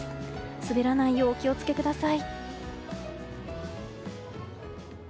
滑らないようお気を付けください。